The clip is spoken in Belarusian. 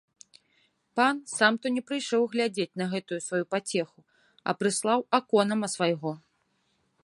Пан сам то не прыйшоў глядзець на гэтую сваю пацеху, а прыслаў аконама свайго.